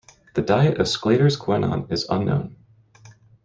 The diet of Sclater's guenon is unknown.